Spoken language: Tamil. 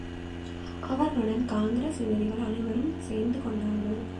அவர்களுடன் காங்கிரஸ் எதிரிகள் அனைவரும் சேர்ந்து கொண்டார்கள்.